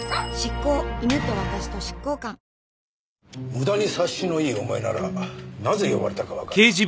無駄に察しのいいお前ならなぜ呼ばれたかわかるな。